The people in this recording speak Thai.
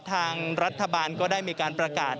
ทางรัฐบาลก็ได้มีการประกาศ